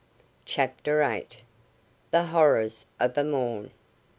CHAPTER EIGHT. THE HORRORS OF A MORN.